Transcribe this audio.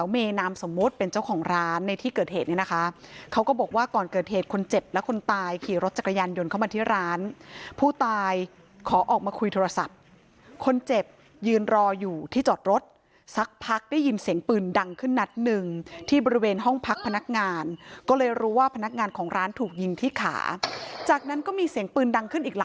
เมนามสมมุติเป็นเจ้าของร้านในที่เกิดเหตุเนี่ยนะคะเขาก็บอกว่าก่อนเกิดเหตุคนเจ็บและคนตายขี่รถจักรยานยนต์เข้ามาที่ร้านผู้ตายขอออกมาคุยโทรศัพท์คนเจ็บยืนรออยู่ที่จอดรถสักพักได้ยินเสียงปืนดังขึ้นนัดหนึ่งที่บริเวณห้องพักพนักงานก็เลยรู้ว่าพนักงานของร้านถูกยิงที่ขาจากนั้นก็มีเสียงปืนดังขึ้นอีกห